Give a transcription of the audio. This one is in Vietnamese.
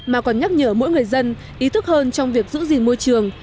mà còn nhắc nhở mỗi người dân ý thức hơn trong việc giữ gìn môi trường